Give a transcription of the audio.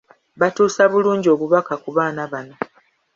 Batuusa bulungi obubaka ku baana bano.